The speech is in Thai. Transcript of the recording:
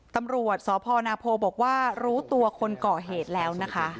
ตำรวจสพนาโพบอกว่ารู้ตัวคนก่อเหตุแล้วนะคะ